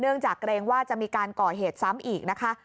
จากเกรงว่าจะมีการก่อเหตุซ้ำอีกนะคะ